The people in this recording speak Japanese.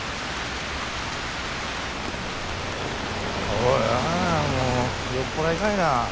おいおいもう酔っ払いかいな。